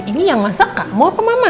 ini yang masak mau apa mama